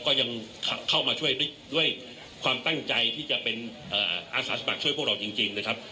ก็ยังเข้ามาช่วยด้วยความตั้งใจที่จะเป็นอาสาสมัครช่วยพวกเราจริงนะครับ